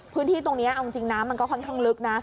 พื้นที่ตรงนี้เอาจริงน้ำมันก็ค่อนข้างลึกนะ